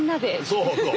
そうそう。